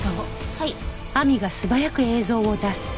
はい。